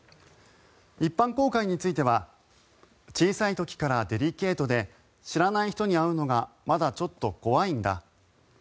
一般公開については小さい時からデリケートで知らない人に会うのがまだちょっと怖いんだ